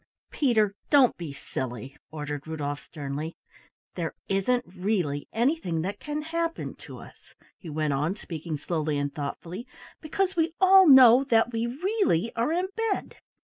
"Peter, don't be silly," ordered Rudolf sternly. "There isn't really anything that can happen to us," he went on, speaking slowly and thoughtfully, "because we all know that we really are in bed.